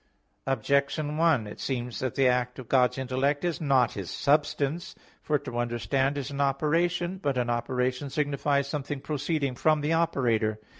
Objection 1: It seems that the act of God's intellect is not His substance. For to understand is an operation. But an operation signifies something proceeding from the operator.